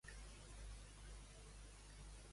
Howie, la teva pell ha expulsat els estrògens.